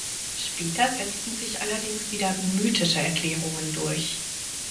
Später setzten sich allerdings wieder mythische Erklärungen durch.